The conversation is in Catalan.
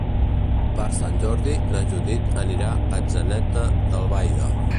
Per Sant Jordi na Judit anirà a Atzeneta d'Albaida.